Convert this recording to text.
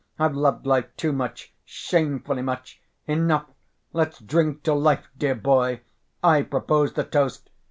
I've loved life too much, shamefully much. Enough! Let's drink to life, dear boy, I propose the toast.